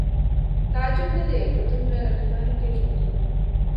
تعجب نه دی په دومره رقیبانو کې ژوندون